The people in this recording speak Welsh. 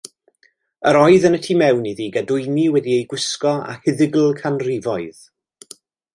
Yr oedd yn y tu mewn iddi gadwyni wedi eu gwisgo â huddygl canrifoedd.